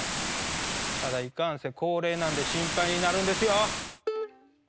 ただいかんせん高齢なんで心配になるんですよ。